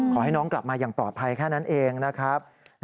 ขอให้น้องกลับมาอย่างปลอดภัยแค่นั้นเองนะครับ